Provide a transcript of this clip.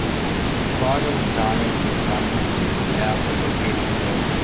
Forschungsrahmenprogramm der Europäischen Union.